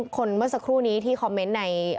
คนเมื่อสักครู่นี้ที่คอมเมนต์ใน